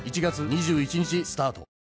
１月２１日スタート